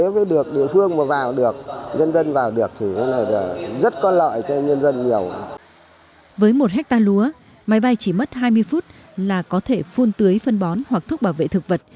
với một hectare lúa máy bay chỉ mất hai mươi phút là có thể phun tưới phân bón hoặc thuốc bảo vệ thực vật